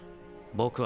僕は。